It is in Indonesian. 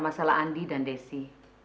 masalah andi dan desi